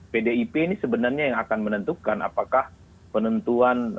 pdip ini sebenarnya yang akan menentukan apakah penentuan